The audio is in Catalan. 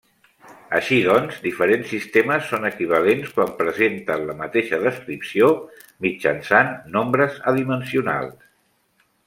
Així doncs, diferents sistemes són equivalents quan presenten la mateixa descripció mitjançant nombres adimensionals.